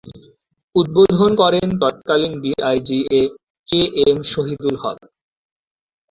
উদ্বোধন করেন তৎকালীন D I G A K M Shahidul Haque.